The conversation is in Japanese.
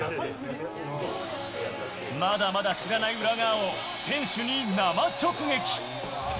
まだまだ知らない裏側を、選手に生直撃。